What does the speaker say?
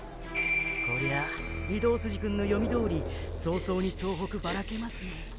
こりゃあ御堂筋くんの読みどおり早々に総北バラけますね。